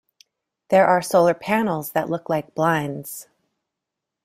There are solar panels that look like blinds.